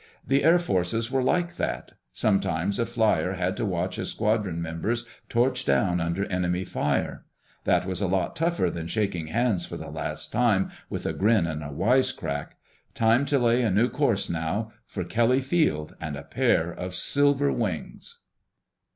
The Air Forces were like that. Sometimes a flier had to watch his squadron members torch down under enemy fire. That was a lot tougher than shaking hands for the last time, with a grin and a wisecrack. Time to lay a new course, now—for Kelly Field and a pair of silver wings!